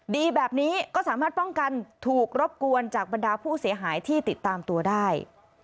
ดีแบบนี้ก็สามารถป้องกันถูกรบกวนจากบรรดาผู้เสียหายที่ติดตามตัวได้